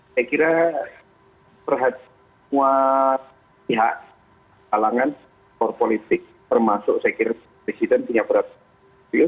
saya kira perhatian semua pihak kalangan for politik termasuk saya kira presiden punya perhatian